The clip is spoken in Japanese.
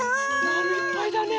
まるいっぱいだね。